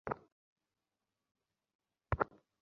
আমাকে এদের সাথেই খেতে হবে।